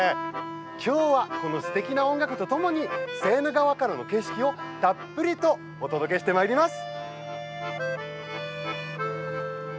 今日はすてきな音楽とともにセーヌ川からの景色をたっぷりとお届けしてまいります。